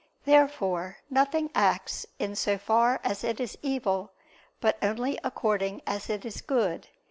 Therefore nothing acts in so far as it is evil, but only according as it is good.